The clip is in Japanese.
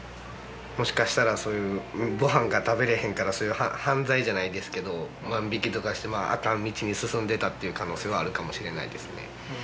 もしかしたらそういうごはんが食べれへんからそういう犯罪じゃないですけど万引きとかしてアカン道に進んでたっていう可能性はあるかもしれないですね。